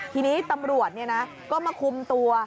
ทีนี้ตำรวจเนี่ยนะก็มาคุมตัว